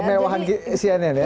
kemewahan cnn ya